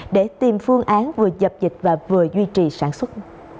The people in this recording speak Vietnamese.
để tìm phương án vừa dập dịch và vừa duy trì sản xuất